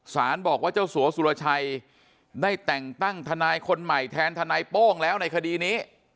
บอกว่าเจ้าสัวสุรชัยได้แต่งตั้งทนายคนใหม่แทนทนายโป้งแล้วในคดีนี้